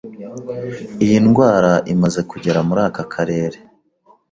Iyi ndwara imaze kugera muri aka karere,